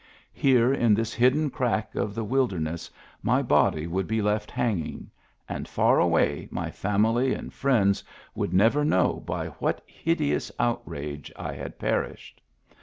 Here in this hidden crack of the wilderness my body would be left hanging, and far away my family and friends would never know by what hideous outrage I had perished.